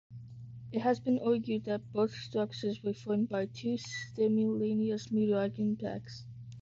It has been argued that both structures were formed by two simultaneous meteorite impacts.